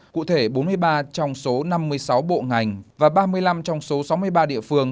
cụ thể bốn mươi ba trong số năm mươi sáu bộ ngành và ba mươi năm trong số sáu mươi ba địa phương